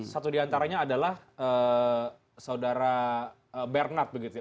satu diantaranya adalah saudara bernard begitu ya